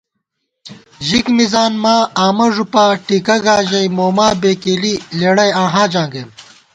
ژِک مِزان ماں آمہ ݫُپا ٹِکہ گا ژَئی موما بېکېلی لېڑَئی آں حاجاں گئیم